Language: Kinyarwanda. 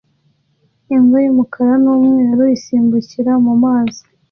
Imbwa y'umukara n'umweru isimbukira mu mazi